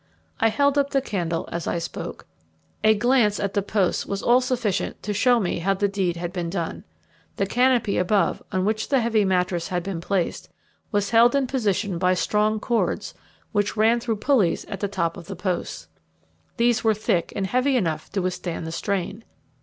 I held up the candle as I spoke. A glance at the posts was all sufficient to show me how the deed had been done. The canopy above, on which the heavy mattress had been placed, was held in position by strong cords which ran through pulleys at the top of the posts. These were thick and heavy enough to withstand the strain.